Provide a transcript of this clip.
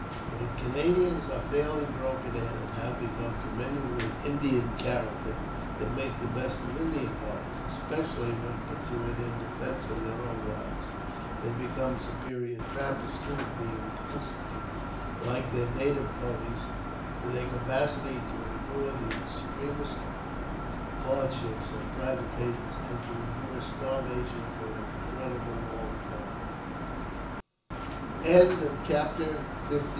When Canadians are fairly broken in, and have becom familiar with Indian character, they make the best of Indian fighters, especially when put to it in defence of their own lives They become superior trappers too, being constituted, liki their native ponies, with a capacity to endure the extremesi hardships and privations, and to endure starvation for an i